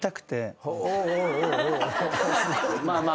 まあまあ。